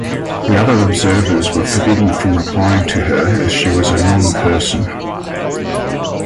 The other observers were forbidden from replying to her as she was a 'non-person'.